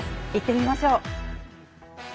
行ってみましょう。